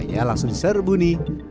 yaa langsung serbu nih